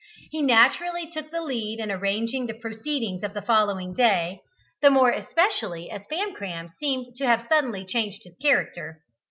He naturally took the lead in arranging the proceedings of the following day, the more especially as Famcram seemed to have suddenly changed his character.